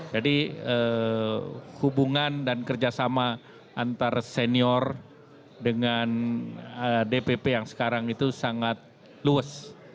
jadi hubungan dan kerjasama antar senior dengan dpp yang sekarang itu sangat luas